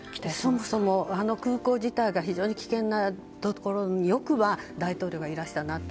そもそもあの空港自体がとても危険な状況でよく大統領がいらしたなと。